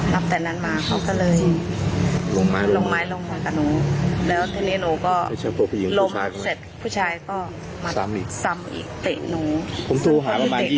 ผมโทหาพาลอีก๓ปีเลยค่ะ